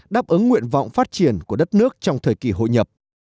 đáp ứng nguyện vọng phát triển của đất nước trong thời kỳ hội nhập